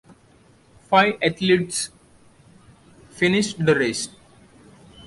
Five athletes finished the race.